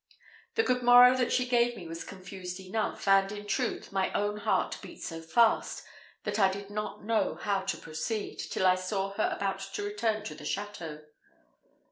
The good morrow that she gave me was confused enough; and, in truth, my own heart beat so fast, that I did not know how to proceed, till I saw her about to return to the château.